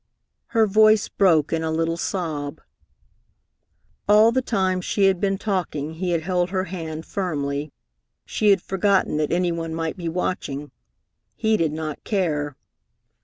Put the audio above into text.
Her voice broke in a little sob. All the time she had been talking, he had held her hand firmly. She had forgotten that any one might be watching; he did not care.